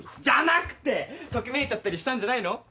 じゃなくてときめいちゃったりしたんじゃないの？